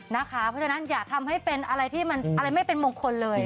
นะคะเพราะฉะนั้นอย่าทำให้เป็นอะไรไม่เป็นมงคลเลย